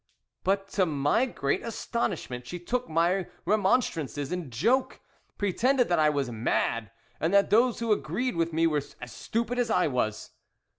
"But to my great astonishment she took my remonstrances in joke, pretended that I was mad, and that those who agreed with me were as stupid as I was.